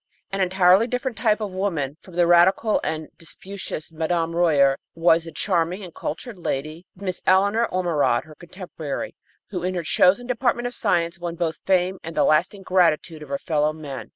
An entirely different type of woman from the radical and disputatious Mme. Royer was the charming and cultured lady, Miss Eleanor Ormerod, her contemporary, who, in her chosen department of science, won both fame and the lasting gratitude of her fellowmen.